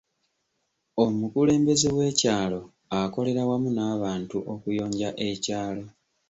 Omukulembeze w'ekyalo akolera wamu n'abantu okuyonja ekyalo.